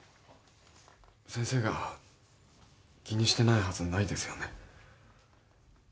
先生が気にしてないはずはないですよね